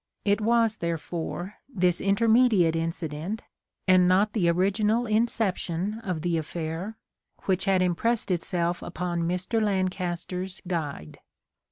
It was, therefore, this interme diate incident, and not the original inception of the affair, which had impressed itself upon Mr. Lancaster's guide.